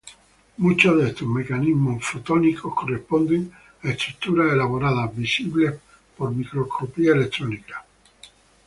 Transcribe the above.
Muchos de estos mecanismos fotónicos corresponden a estructuras elaboradas, visibles por microscopía electrónica.